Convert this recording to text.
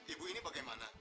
ibu ini bagaimana